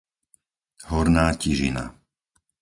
Horná Tižina